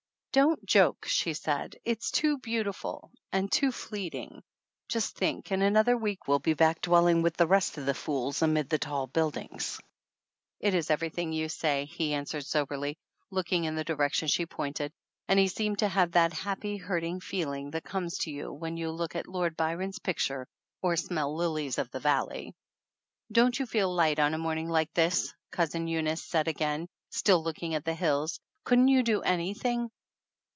"Don't joke," she said. "It's too beautiful and too fleeting ! Just think, in another week we'll be back, dwelling with the rest of the fools amid the tall buildings !" "It is everything you say," he answered sober ly, looking in the direction she pointed, and he seemed to have that happy, hurting feeling that comes to you when you look at Lord Byron's picture, or smell lilies of the valley. "Don't you feel light on a morning like this ?" Cousin Eunice said again, still looking at the hills. "Couldn't you do anything?"